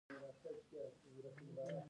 آزاد تجارت مهم دی ځکه چې طبي آلات خپروي.